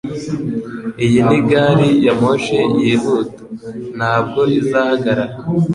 Iyi ni gari ya moshi yihuta. Ntabwo izahagarara